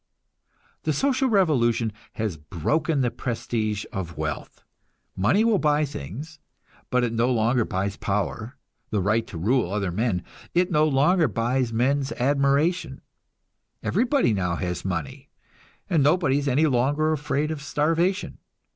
The social revolution has broken the prestige of wealth. Money will buy things, but it no longer buys power, the right to rule other men; it no longer buys men's admiration. Everybody now has money, and nobody is any longer afraid of starvation.